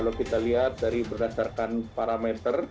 kalau kita lihat dari berdasarkan parameter